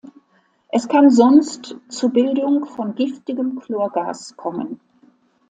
Es kann sonst zur Bildung von giftigem Chlorgas kommen.